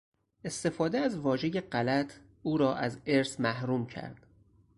استفاده از واژهی غلط، او را از ارث محروم کرد.